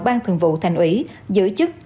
ban thường vụ thành ủy giữ chức